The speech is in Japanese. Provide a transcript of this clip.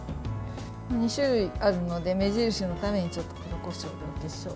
２種類あるので目印のためにちょっと黒こしょうを。